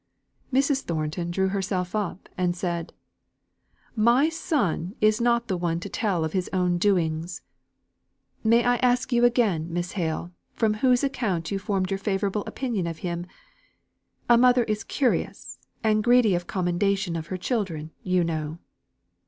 Mrs. Thornton drew herself up, and said "My son is not the one to tell of his own doings. May I again ask you, Miss Hale, from whose account you formed your favourable opinion of him? A mother is curious and greedy of commendation of her children, you know."